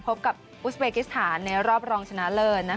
พบกับอุสเบกิสถานในรอบรองชนะเลิศ